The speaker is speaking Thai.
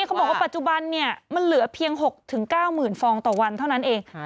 เขาบอกว่าปัจจุบันเนี่ยมันเหลือเพียง๖๙๐๐ฟองต่อวันเท่านั้นเอง